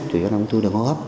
chủ yếu là ung thư đường hốp